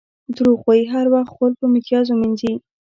دروغ وایي؛ هر وخت غول په میتیازو مینځي.